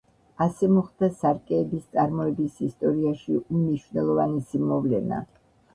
ასე მოხდა სარკეების წარმოების ისტორიაში უმნიშვნელოვანესი მოვლენა.